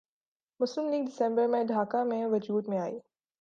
مسلم لیگ دسمبر میں ڈھاکہ میں وجود میں آئی